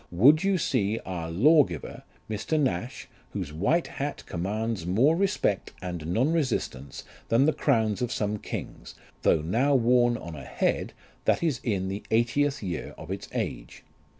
Would you see our law giver, Mr. Nash, whose white hat commands more respect and non resistance than the crowns of some kings, though now worn on a head that is in the eightieth year of its age.